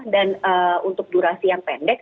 dan untuk durasi yang pendek